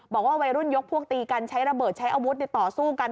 บอกว่าวัยรุ่นยกพวกตีกันใช้ระเบิดใช้อาวุธต่อสู้กัน